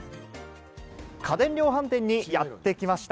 家電量販店にやってきました。